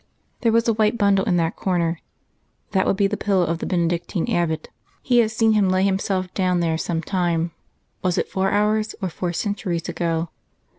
There was a white bundle in that corner; that would be the pillow of the Benedictine abbot. He had seen him lay himself down there some time was it four hours or four centuries ago?